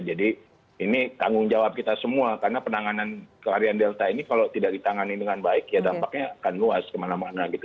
jadi ini tanggung jawab kita semua karena penanganan kelarian delta ini kalau tidak ditangani dengan baik ya dampaknya akan luas kemana mana gitu